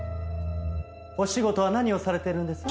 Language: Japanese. お仕事は何をされてるんです？